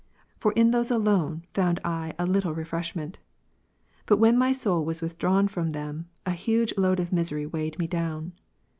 For in those alone found I a little refreshment. But when my soul was withdrawn from them, a hv;ge load of misery weighed me down.